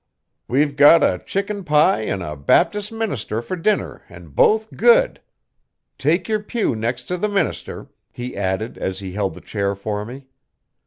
We've got a chicken pie an' a Baptis' minister fer dinner an' both good. Take yer pew nex' t' the minister,' he added as he held the chair for me.